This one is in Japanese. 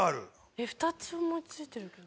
えっ２つ思いついてるけど。